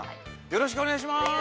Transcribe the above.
よろしくお願いします。